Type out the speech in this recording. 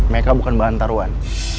mereka bukan bahan taruhan